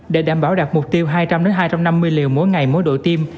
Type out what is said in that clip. để đảm bảo đạt mục tiêu hai trăm linh hai trăm năm mươi liều mỗi ngày mỗi đội tiêm